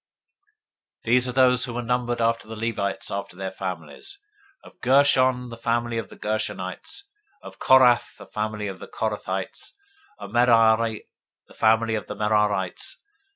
026:057 These are those who were numbered of the Levites after their families: of Gershon, the family of the Gershonites; of Kohath, the family of the Kohathites; of Merari, the family of the Merarites.